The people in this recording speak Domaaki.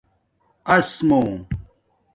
اَس مُو